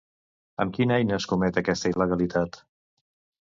Amb quina eina es comet aquesta il·legalitat?